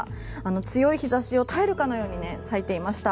強い日差しを耐えるかのように咲いていました。